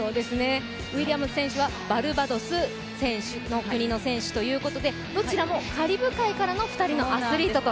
ウィリアム選手はバルバドスの選手ということでどちらもカリブ海からの２人のアスリートと。